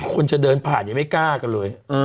คนจะเดินผ่านยังไม่กล้ากันเลย